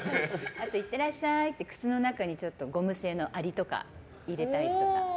あと、いってらっしゃい！って靴の中にゴム製のアリとか入れたりとか。